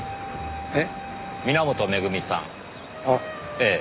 ええ。